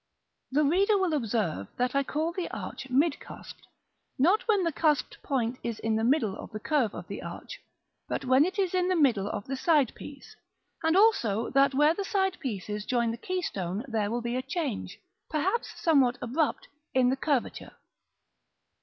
§ XVII. The reader will observe that I call the arch mid cusped, not when the cusped point is in the middle of the curve of the arch, but when it is in the middle of the side piece, and also that where the side pieces join the keystone there will be a change, perhaps somewhat abrupt, in the curvature.